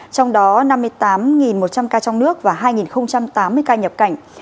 trong đó năm mươi tám một trăm linh ca trong nước và hai tám mươi ca nhập cảnh